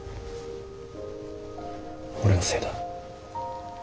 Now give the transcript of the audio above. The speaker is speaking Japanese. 俺のせいだ。